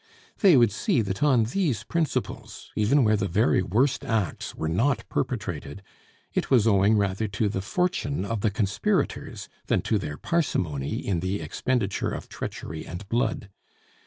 They would see that on these principles, even where the very worst acts were not perpetrated, it was owing rather to the fortune of the conspirators than to their parsimony in the expenditure of treachery and blood.